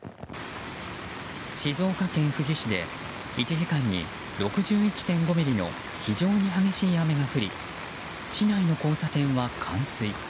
静岡県富士市で１時間に６１．５ミリの非常に激しい雨が降り市内の交差点は冠水。